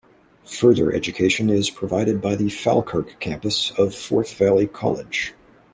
Further education is provided by the Falkirk campus of Forth Valley College.